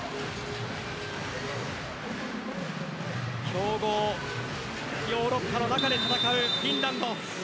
強豪・ヨーロッパの中で戦うフィンランド。